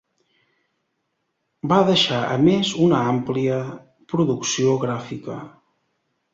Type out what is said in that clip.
Va deixar a més una àmplia producció gràfica.